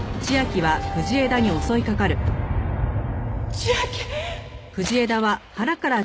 千明！